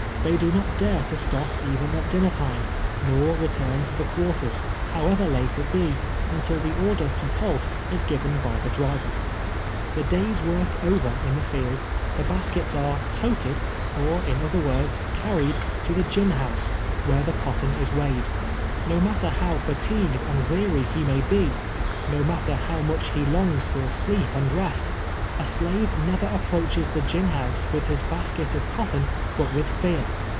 They do not dare to stop even at dinner time, nor retm n to the cpiarters, however late it be, until the order to halt is given by the di iver. The day's work over in the field, the baskets are " toted," or in other words, carried to the gin house, where the cotton is weighed. 'No matter how fa tigued and weary he may be — no matter hov^ much he longs for sleep and rest — a slave never approaches the gin house with his basket of cotton but with fear.